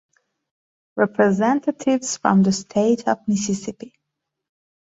Representatives from the state of Mississippi.